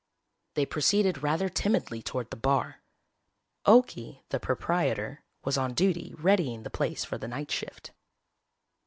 They proceeded rather timidly toward the bar. Okie, the proprietor, was on duty readying the place for the night shift.